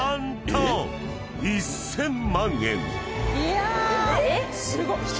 いや！